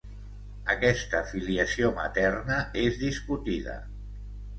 Aquesta filiació materna és discutida.